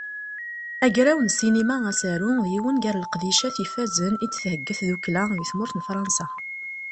Agraw n ssinima Asaru, d yiwen gar leqdicat ifazen i d-thegga tdukkla di tmurt n Fransa.